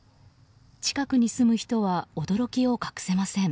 近くに住む人は驚きを隠せません。